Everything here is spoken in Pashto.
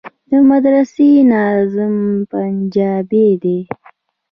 د مدرسې ناظم پنجابى دى.